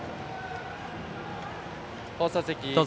放送席。